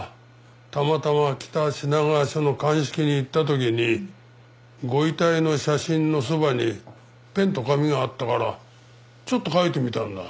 たまたま北品川署の鑑識に行った時にご遺体の写真のそばにペンと紙があったからちょっと描いてみたんだ。